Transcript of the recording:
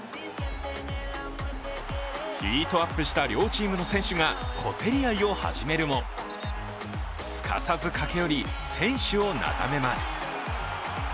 ヒートアップした両チームの選手が小競り合いを始めるも、すかさず駆け寄り、選手をなだめます。